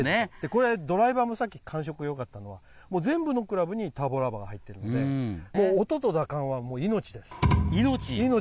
これドライバーもさっき感触よかったのは、全部のクラブにターボラバーが入っているので、もう音と打感は命です。